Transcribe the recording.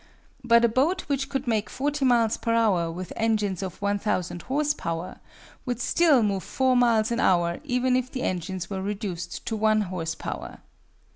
But a boat which could make 40 miles per hour with engines of 1,000 horse power would still move four miles an hour even if the engines were reduced to one horse power.